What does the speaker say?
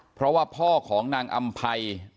เพราะว่าพ่อของนางอำภัย